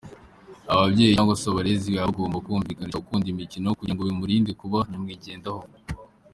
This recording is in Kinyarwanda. Ababyeyi cyangwa se abarezi baba bagomba kumwigisha gukunda imikino kugira ngo bimurinde kuba nyamwigendaho.